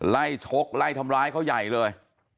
ชกไล่ทำร้ายเขาใหญ่เลย